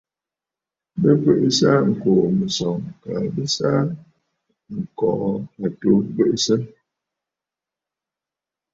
Bɨ bweʼesə aa ŋkòò mɨ̀sɔ̀ŋ, kaa bɨ sɨ aa ŋ̀kɔ̀lɔ̂ àtu bweʼesə.